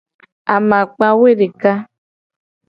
Amakpa woedeka.